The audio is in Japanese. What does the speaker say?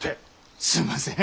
すんません。